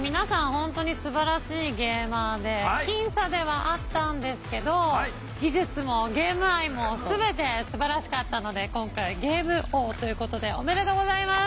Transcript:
本当にすばらしいゲーマーで僅差ではあったんですけど技術もゲーム愛も全てすばらしかったので今回ゲーム王ということでおめでとうございます！